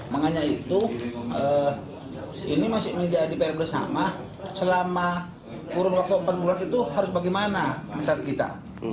makanya itu ini masih menjadi pr bersama selama kurun waktu empat bulan itu harus bagaimana masyarakat kita